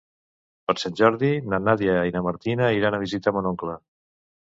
Per Sant Jordi na Nàdia i na Martina iran a visitar mon oncle.